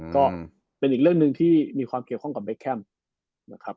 ก็เป็นอีกเรื่องหนึ่งที่มีความเกี่ยวข้องกับเบคแคมนะครับ